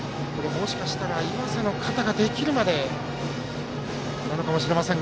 もしかしたら岩瀬の肩ができるまでなのかもしれません。